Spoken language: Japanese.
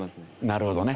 なるほどね。